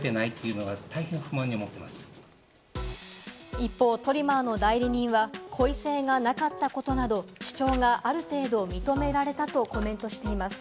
一方、トリマーの代理人は、故意性がなかったことなど、主張がある程度認められたとコメントしています。